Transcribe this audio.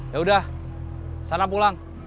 yaudah sana pulang